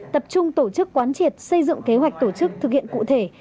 tập trung tổ chức quán triệt xây dựng kế hoạch tổ chức thực hiện cụ thể